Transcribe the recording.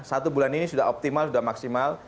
tapi harapan saya satu bulan ini sudah optimal sudah maksimal